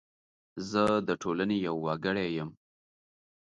زه د ټولنې یو وګړی یم .